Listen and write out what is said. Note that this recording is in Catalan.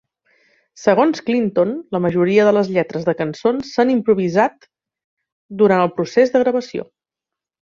Segons Clinton, la majoria de les lletres de cançons s'han improvisat durant el procés de gravació.